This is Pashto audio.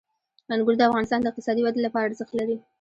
انګور د افغانستان د اقتصادي ودې لپاره ارزښت لري.